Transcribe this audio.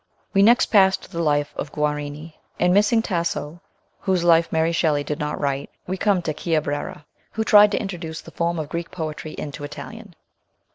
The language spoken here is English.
211 We next pass to the life of Guarini, and missing Tasso, whose life Mary Shelley did not write, we come to Chiabrera, who tried to introduce the form of Greek poetry into Italian.